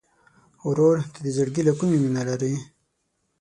ورور ته د زړګي له کومي مینه لرې.